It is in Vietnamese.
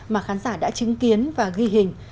mà khán giả đã chứng kiến và ghi hình